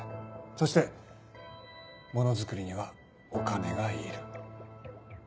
そしてものづくりにはお金がいる。